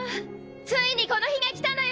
ついにこの日が来たのよ！